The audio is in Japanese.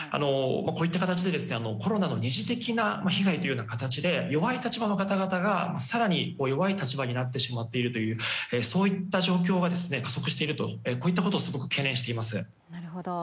こういった形でコロナの二次的な被害という形で弱い立場の方が更に弱い立場になっているそういった状況が加速しているとこういったことをすごく懸念しています。